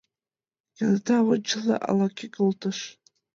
Кенета ончылно ала-кӧ колтыш.